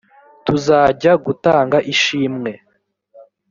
tuzajya gutanga ishimwe